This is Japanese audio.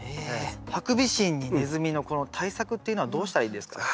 ハクビシンにネズミのこの対策っていうのはどうしたらいいんですかね？